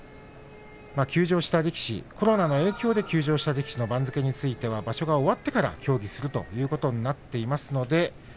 休場した力士コロナの影響で休場した力士については場所が終わってから協議することになっています。